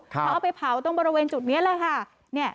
เขาเอาไปเผาตรงบริเวณจุดนี้แหละค่ะ